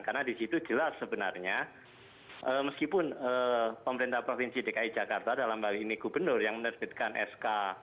karena di situ jelas sebenarnya meskipun pemerintah provinsi dki jakarta dalam hal ini gubernur yang menerbitkan sk